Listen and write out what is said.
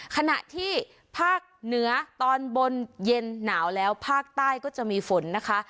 ขณะที่ภาคเหนือตอนบนเย็นหนาวแล้วภาคใต้ก็จะมีฝนนะคะ